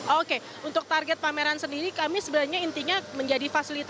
oke untuk target pameran sendiri kami sebenarnya intinya menjadi fasilitas